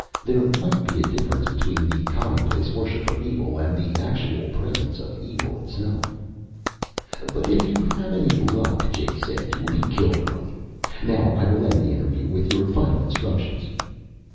There might be a difference between the commonplace worship of evil and the actual presence of Evil itself. "But if you have any luck," Jay said, "you will be killed early. Now I will end the interview with your final instructions."